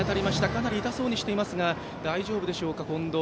かなり痛そうにしていますが大丈夫でしょうか、近藤。